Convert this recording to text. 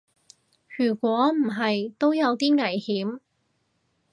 如果唔係都有啲危險